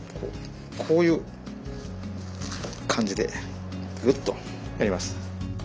こういう感じでグッとやります。